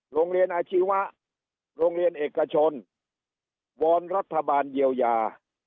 โรงเรียนอาชีวะโรงเรียนเอกชนวอนรัฐบาลเยียวยา